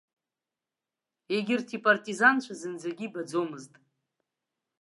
Егьырҭ ипартизанцәа зынӡагьы ибаӡомызт.